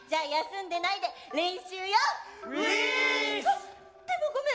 あっでもごめん。